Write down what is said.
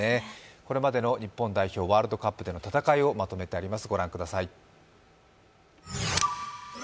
これまでの日本代表、ワールドカップでの戦いをまとめてあります。